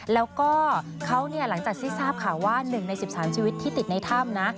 แล้วก็เขาหลังจากที่ทราบข่าวว่า๑ใน๑๓ชีวิตที่ติดในถ้ำนะ